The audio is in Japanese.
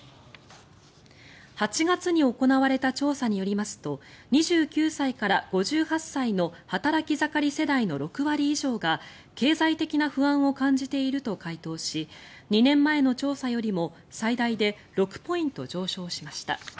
８月に行われた調査によりますと２９歳から５８歳の働き盛り世代の６割以上が経済的な不安を感じていると回答し２年前の調査よりも最大で６ポイント上昇しました。